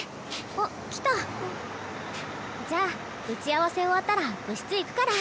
あ。じゃあ打ち合わせ終わったら部室行くから。